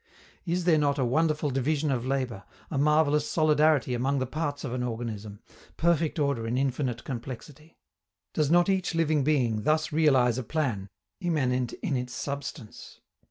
Is there not a wonderful division of labor, a marvellous solidarity among the parts of an organism, perfect order in infinite complexity? Does not each living being thus realize a plan immanent in its substance?